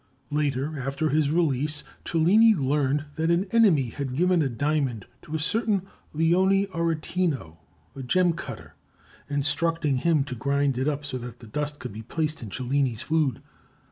Later, after his release, Cellini learned that an enemy had given a diamond to a certain Lione Aretino, a gem cutter, instructing him to grind it up so that the dust could be placed in Cellini's food.